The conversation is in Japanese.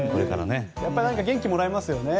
やっぱり元気をもらえますよね。